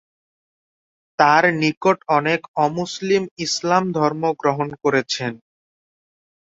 তার নিকট অনেক অমুসলিম ইসলাম ধর্ম গ্রহণ করেছেন।